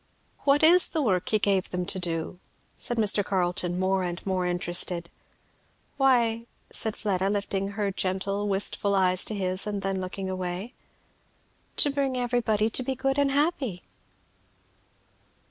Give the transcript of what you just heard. "What is the work he gave them to do?" said Mr. Carleton, more and more interested. "Why," said Fleda, lifting her gentle wistful eyes to his and then looking away, "to bring everybody to be good and happy."